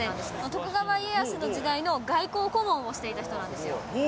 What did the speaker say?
徳川家康の時代の外交顧問をしていた人